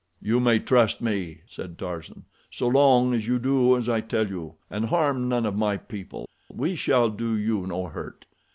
"You may trust me," said Tarzan. "So long as you do as I tell you, and harm none of my people, we shall do you no hurt.